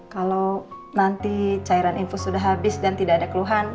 kalau nanti cairan infus sudah habis dan tidak ada keluhan